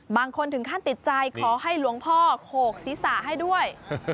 บางคนถึงขั้นติดใจขอให้หลวงพ่อโขกศีรษะให้ด้วย